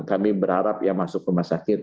kami berharap yang masuk rumah sakit